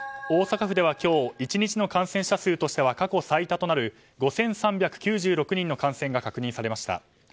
大阪府では今日１日の感染者数としては過去最多となる５３９６人の感染が確認されました。